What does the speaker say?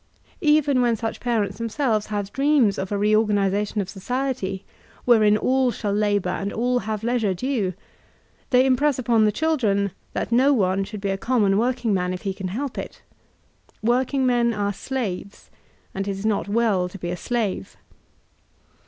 Even when such parents themselves have dreams of a reorganizatkMi of society, wherein all shall labor and all have leisure due, they impress upon the children that no one should be a common workingman if he can help it Woridngmen are slaves, and it is not well to be a slave.